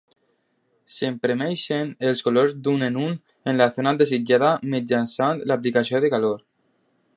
S'imprimeixen els colors d'un en un en la zona desitjada mitjançant l'aplicació de calor.